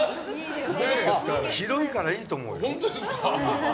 広いからいいと思うよ。